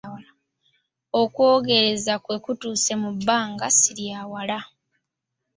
Okwogereza kwe kutuuse mu bbanga si lya wala.